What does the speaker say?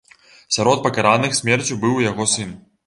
Сярод пакараных смерцю быў і яго сын.